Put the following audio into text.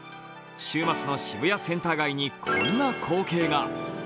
週末の渋谷センター街にこんな光景が。